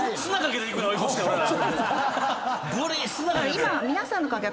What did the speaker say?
今。